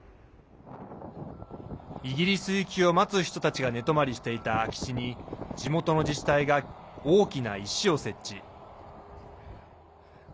イギリス行きを待つ人たちが寝泊まりしていた空き地に地元の自治体が大きな石を設置。